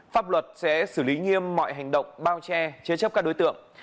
pháp luật sẽ xử lý nghiêm mọi hành động bao che chế chấp các đối tượng